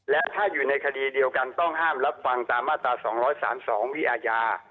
และถ้าอยู่ในคดีเดียวกันต้องห้ามรับฟังตามมาตรา๒๓๒วิอาญา